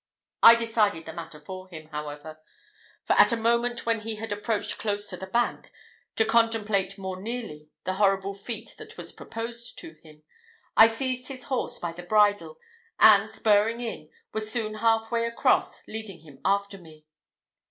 I decided the matter for him, however; for at a moment when he had approached close to the bank, to contemplate more nearly the horrible feat that was proposed to him, I seized his horse by the bridle, and spurring in, was soon half way across, leading him after me.